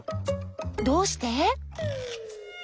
どうして？